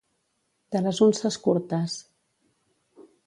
De les unces curtes.